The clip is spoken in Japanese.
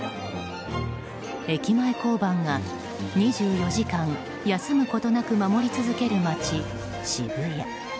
駅前交番が２４時間休むことなく守り続ける街、渋谷。